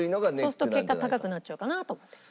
そうすると結果高くなっちゃうかなと思って。